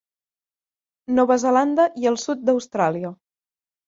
Nova Zelanda i el sud d'Austràlia.